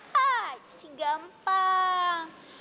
hai sih gampang